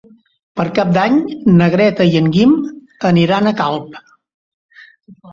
Per Cap d'Any na Greta i en Guim aniran a Calp.